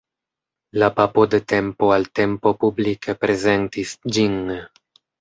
La papo de tempo al tempo publike prezentis ĝin.